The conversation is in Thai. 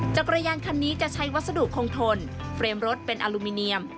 จักรยานคันนี้จะใช้วัสดุคงทนเปรมรถเป็นอลูมิเนียม